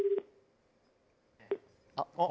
あっ！